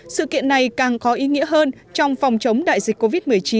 sự kiện này càng có ý nghĩa hơn trong phòng chống đại dịch covid một mươi chín